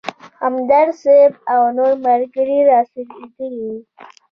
همدرد صیب او نور ملګري رارسېدلي وو.